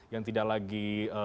yang tidak lagi